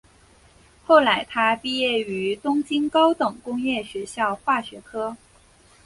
后来他毕业于东京高等工业学校化学科。